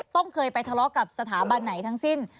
ต้องเคยไปทะเลาะกับสถาบันไหนทั้งสิ้น